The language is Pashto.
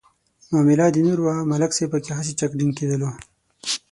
معامله د نور وه ملک صاحب پکې هسې چک ډینک کولو.